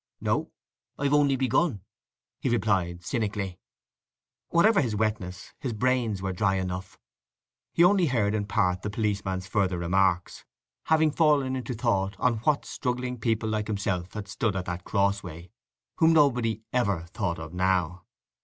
"No; I've only begun," he replied cynically. Whatever his wetness, his brains were dry enough. He only heard in part the policeman's further remarks, having fallen into thought on what struggling people like himself had stood at that crossway, whom nobody ever thought of now.